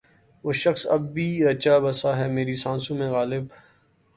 وہ شخص اب بھی رچا بسا ہے میری سانسوں میں غالب